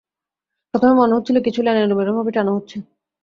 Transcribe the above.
প্রথমে মনে হচ্ছিল, কিছু লাইন এলোমেলোভাবে টানা হচ্ছে।